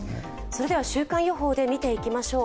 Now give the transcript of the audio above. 週間予報で見ていきましょう。